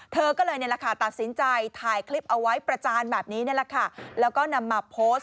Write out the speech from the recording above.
เธอก็เลยตัดสินใจถ่ายคลิปเอาไว้ประจานแบบนี้แล้วก็นำมาโพสต์